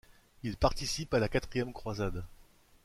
Il participe à la quatrième croisade.